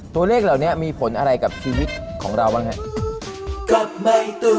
ตัวเลขเหล่านี้มีผลอะไรกับชีวิตของเราบ้างครับ